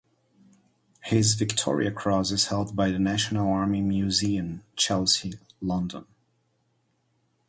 His Victoria Cross is held by the National Army Museum, Chelsea, London.